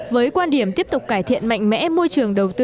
với quan điểm tiếp tục cải thiện mạnh mẽ môi trường đầu tư